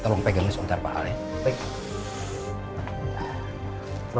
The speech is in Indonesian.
tolong pegangin sebentar pak al ya